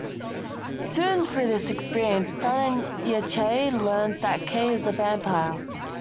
Soon, through this experience, Son and Yi-Che learn that Kei is a vampire.